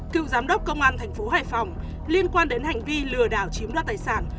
cựu giám đốc công an thành phố hải phòng liên quan đến hành vi lừa đảo chiếm đoạt tài sản